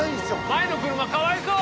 前の車かわいそう。